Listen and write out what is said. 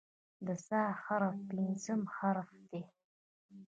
د "ث" حرف پنځم حرف دی.